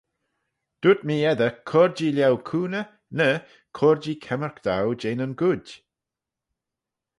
Dooyrt mee eddyr, Cur-jee lhieu cooney? ny, Cur-jee kemmyrk dou jeh nyn gooid?